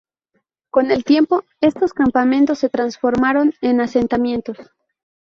Con el tiempo, estos campamentos se transformaron en asentamientos.